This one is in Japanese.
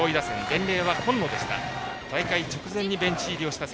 伝令は金野でした。